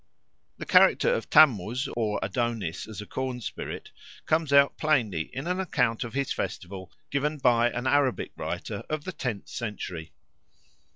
The character of Tammuz or Adonis as a corn spirit comes out plainly in an account of his festival given by an Arabic writer of the tenth century.